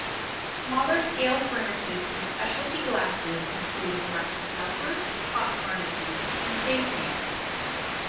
Smaller scale furnaces for specialty glasses include electric melters, pot furnaces, and day tanks.